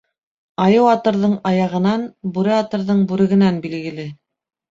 Айыу атырҙың аяғынан, бүре атырҙың бүрегенән билгеле.